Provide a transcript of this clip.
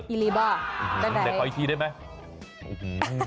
อีลีบ่าเป็นไหนได้ขออีกทีได้ไหม